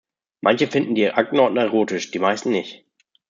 Manche finden die Aktenordner erotisch, die meisten nicht!